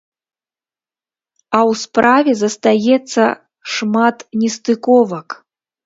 А ў справе застаецца шмат нестыковак!